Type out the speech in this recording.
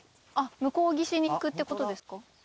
向こう岸に行くってことですか？